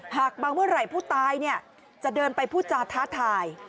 หากบางเมื่อไหร่ผู้ตายจะเดินไปพูดจาท้าทาย